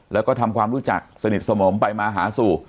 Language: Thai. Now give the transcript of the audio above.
แล้วก็ทำความรู้จักสนิทสนมไปมาหาสู่